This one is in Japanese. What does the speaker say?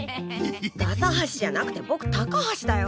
ダサ橋じゃなくてぼく高橋だよ。